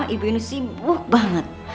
ibu ini sibuk banget